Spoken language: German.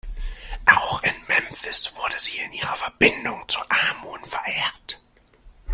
Auch in Memphis wurde sie in ihrer Verbindung zu Amun verehrt.